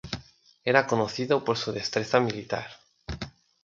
Era conocido por su destreza militar.